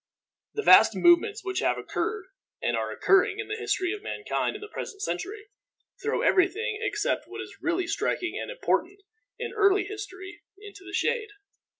The vast movements which have occurred and are occurring in the history of mankind in the present century, throw every thing except what is really striking and important in early history into the shade.